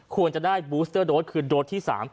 ควรจะได้บูสเตอร์โดสคือโดสที่๓